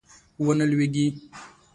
ونه لویږي